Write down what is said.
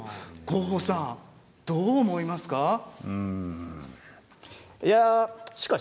ゴッホさん、どう思いますか？